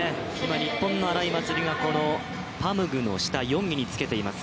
日本の荒井祭里がこのパムグの下４位につけています。